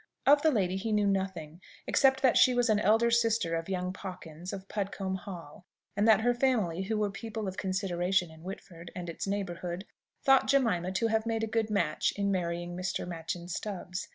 Of the lady he knew nothing, except that she was an elder sister of young Pawkins, of Pudcombe Hall; and that her family, who were people of consideration in Whitford and its neighbourhood, thought Jemima to have made a good match in marrying Mr. Machyn Stubbs.